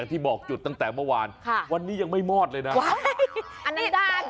แต่เมื่อวานค่ะวันนี้ยังไม่มอดเลยนะอันนั้นด้าน